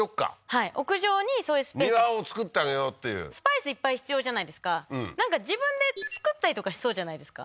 はい屋上にそういうスペース庭を造ってあげようっていうスパイスいっぱい必要じゃないですかなんか自分で作ったりとかしそうじゃないですか？